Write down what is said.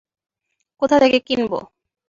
কোথা থেকে কিনব?